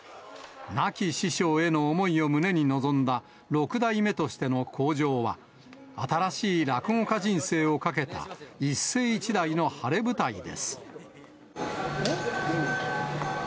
亡き師匠への思いを胸に臨んだ六代目としての口上は、新しい落語家人生を懸けた一世一代の晴れ舞台です。